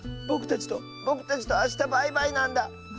ぼくたちとぼくたちとあしたバイバイなんだ。